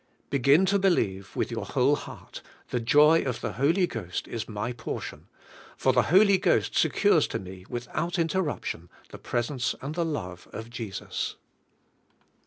Begin to believe with your whole heart, "The joy of the Holy Ghost is my portion," for the Holy Ghost secures to me without interruption the presence and the love of Jesus.